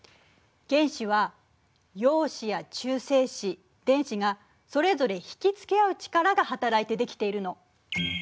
原子は陽子や中性子電子がそれぞれ引き付け合う力が働いて出来ているの。